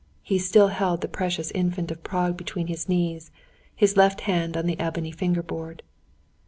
He still held the precious Infant of Prague between his knees, his left hand on the ebony finger board.